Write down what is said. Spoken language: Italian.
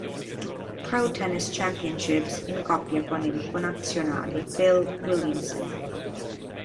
Pro Tennis Championships in coppia con il connazionale Phil Williamson.